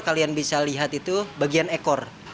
kalian bisa lihat itu bagian ekor